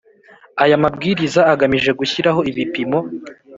Aya mabwiriza agamije gushyiraho ibipimo